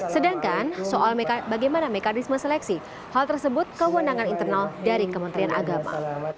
sedangkan soal bagaimana mekanisme seleksi hal tersebut kewenangan internal dari kementerian agama